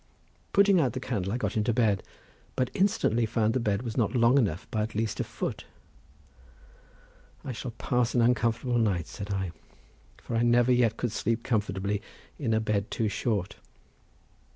Putting out the light I got into bed, but instantly found that the bed was not long enough by at least a foot. "I shall pass an uncomfortable night," said I, "for I never yet could sleep comfortably in a bed too short.